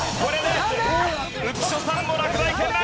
浮所さんも落第圏内。